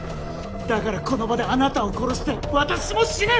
だからこの場であなたを殺して私も死ぬ！